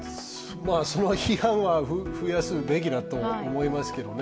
その批判は増やすべきだと思いますけどね。